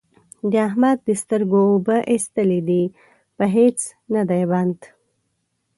د احمد د سترګو اوبه اېستلې دي؛ په هيڅ نه دی بند،